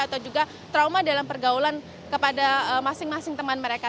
atau juga trauma dalam pergaulan kepada masing masing teman mereka